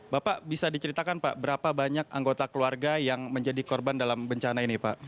bapak bisa diceritakan pak berapa banyak anggota keluarga yang menjadi korban dalam bencana ini pak